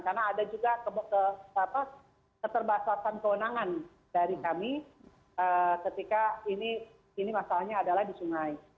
karena ada juga keterbatasan kewenangan dari kami ketika ini masalahnya adalah di sungai